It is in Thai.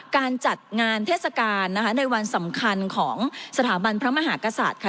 การจัดงานเทศกาลนะคะในวันสำคัญของสถาบันพระมหากษัตริย์ค่ะ